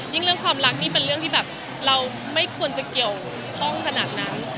เรื่องความรักนี่เป็นเรื่องที่แบบเราไม่ควรจะเกี่ยวข้องขนาดนั้น